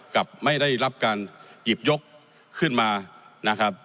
กับไม่ได้รับการหยิบยกขึ้นมานะครับ